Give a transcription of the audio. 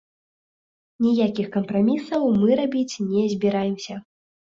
Ніякіх кампрамісаў мы рабіць не збіраемся.